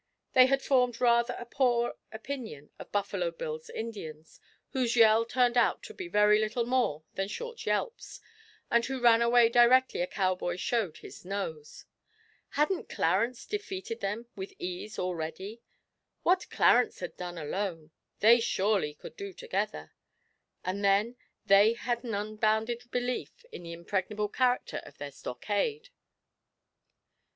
They had formed rather a poor opinion of Buffalo Bill's Indians, whose yell turned out to be very little more than short yelps, and who ran away directly a Cowboy showed his nose. Hadn't Clarence defeated them with ease already? What Clarence had done alone they surely could do together, and then they had an unbounded belief in the impregnable character of their stockade.